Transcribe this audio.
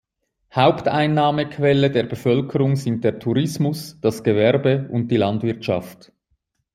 Haupteinnahmequelle der Bevölkerung sind der Tourismus, das Gewerbe und die Landwirtschaft.